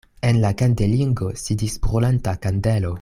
En la kandelingo sidis brulanta kandelo.